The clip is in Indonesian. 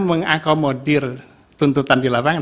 mengakomodir tuntutan di lapangan